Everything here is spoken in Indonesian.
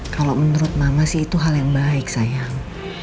kalau menurut mama sih itu hal yang baik sayang